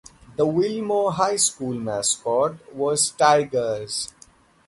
The Wilmore High School mascot was Tigers.